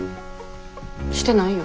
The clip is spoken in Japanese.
してないよ。